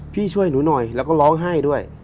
ช่วยหนูหน่อยแล้วก็ร้องไห้ด้วย